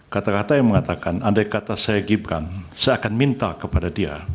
kata kata yang mengatakan andai kata saya gibran saya akan minta kepada dia